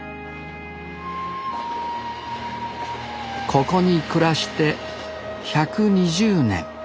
ここに暮らして１２０年。